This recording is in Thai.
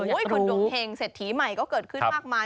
คนดวงเห็งเศรษฐีใหม่ก็เกิดขึ้นมากมาย